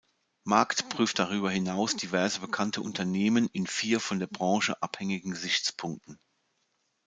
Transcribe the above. Markt prüft darüber hinaus diverse bekannte Unternehmen in vier von der Branche abhängigen Gesichtspunkten.